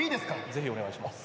ぜひお願いします。